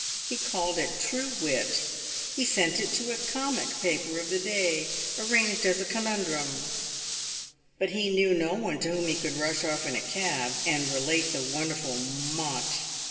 He called it true wit. He sent it to a comic paper of the day arranged as a conundrum. But he knew no one to whom he could rush off in a cab and relate the wonderful mot.